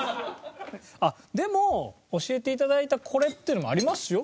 あっでも教えて頂いたこれっていうのもありますよ。